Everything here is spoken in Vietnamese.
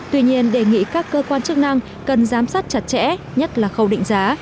tuy nhiên đề nghị các cơ quan chức năng cần giám sát chặt chẽ nhất là khâu định giá